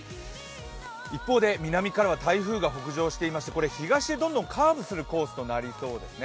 一方で南からは台風が北上していまして東へどんどんカーブするコースとなりそうですね。